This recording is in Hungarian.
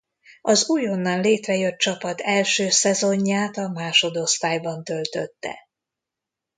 Az újonnan létrejött csapat első szezonját a másodosztályban töltötte.